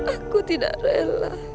aku tidak rela